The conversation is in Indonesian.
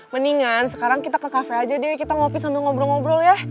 mendingan sekarang kita ke kafe aja deh kita ngopi sambil ngobrol ngobrol ya